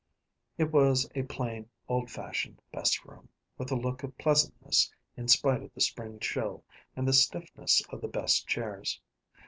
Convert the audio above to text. It was a plain, old fashioned best room, with a look of pleasantness in spite of the spring chill and the stiffness of the best chairs.